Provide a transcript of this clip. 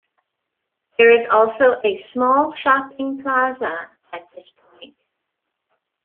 There is also a small shopping plaza at this point.